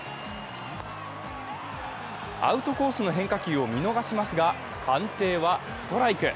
アウトコースの変化球を見逃しますが判定はストライク。